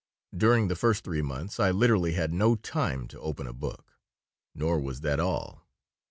During the first three months I literally had no time to open a book. Nor was that all.